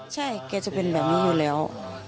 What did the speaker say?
ใช่แกจะเป็นแบบนี้อยู่แล้ว